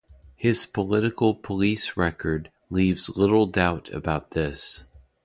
His political police record leaves little doubt about this.